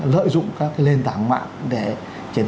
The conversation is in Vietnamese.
lợi dụng các cái lên tảng mạng để triển